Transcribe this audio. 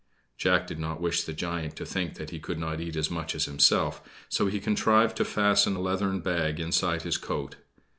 Jack did not wish the giant to think that he could not eat as much as himself, so he contrived to fasten a leathern bag inside his coat.